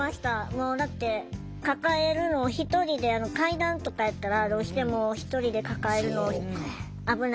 もうだって抱えるの１人で階段とかやったらどうしても１人で抱えるの危ないし。